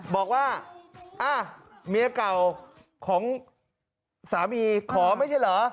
บอกว่าเมียเก่าของสามีขอไม่ใช่เหรอ